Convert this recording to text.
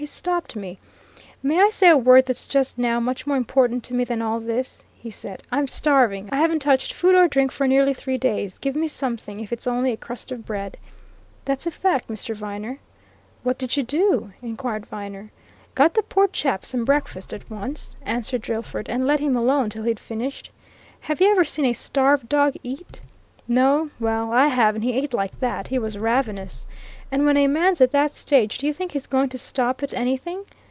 he stopped me. 'May I say a word that's just now much more important to me than all this?' he said. 'I'm starving! I haven't touched food or drink for nearly three days. Give me something, if it's only a crust of bread!' That's fact, Mr. Viner." "What did you do?" inquired Viner. "Got the poor chap some breakfast, at once," answered Drillford, "and let him alone till he'd finished. Have you ever seen a starved dog eat? No well, I have, and he ate like that he was ravenous! And when a man's at that stage, do you think he's going to stop at anything?